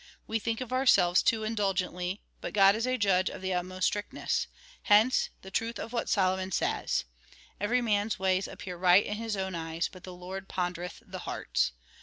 We think of ourselves too indul gently, but God is a judge of the utmost strictness. Hence the truth of what Solomon says —" Every man's ways aiy^^ear right in his oivn eyes, but the Lord ponder eth the hearts."